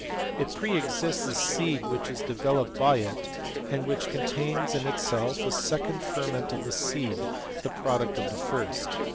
It pre exists in the seed which is developed by it, and which contains in itself a second ferment of the seed, the product of the first.